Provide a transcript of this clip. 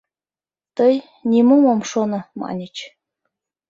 — Тый «Нимом ом шоно» маньыч.